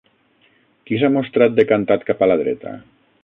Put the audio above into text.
Qui s'ha mostrat decantat cap a la dreta?